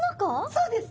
そうです！